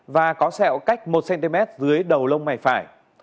và có sẹo cách một cm dưới đầu lông mày phải